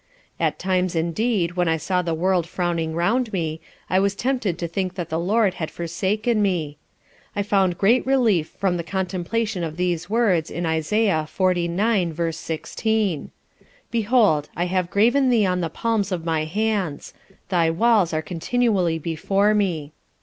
At times indeed when I saw the world frowning round me, I was tempted to think that the LORD had forsaken me. I found great relief from the contemplation of these words in Isaiah xlix. v. 16. _"Behold I have graven thee on the palms of my hands; thy walls are continually before me."